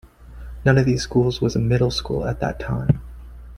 None of these schools was a "middle" school at that time.